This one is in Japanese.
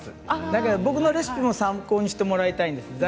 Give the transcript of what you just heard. だから僕のレシピも参考にしてもらいたいんです。